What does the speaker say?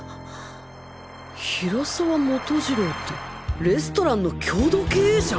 平沢基次郎ってレストランの共同経営者！？